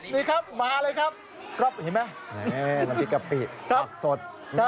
นี่ครับมาเลยครับกรอบเห็นไหมน้ำพริกกะปิ๊อกสด